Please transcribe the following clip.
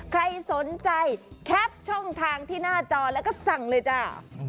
ใครสนใจแคปช่องทางที่หน้าจอแล้วก็สั่งเลยจ้า